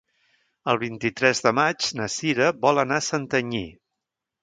El vint-i-tres de maig na Cira vol anar a Santanyí.